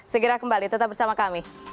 segera kembali tetap bersama kami